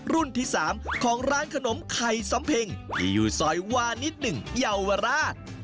รุ่นที่๓ของร้านขนมไข่สำเพ็งที่อยู่ซอยวานิด๑เยาวราช